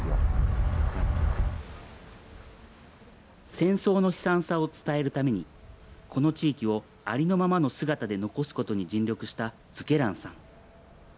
戦争の悲惨さを伝えるために、この地域をありのままの姿で残すことに尽力した瑞慶覧さん。